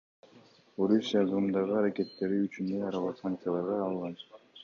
Орусия Крымдагы аракеттери үчүн эл аралык санкцияларга кабылган.